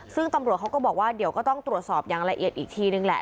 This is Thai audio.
ซึ่งตำรวจเขาก็บอกว่าเดี๋ยวก็ต้องตรวจสอบอย่างละเอียดอีกทีนึงแหละ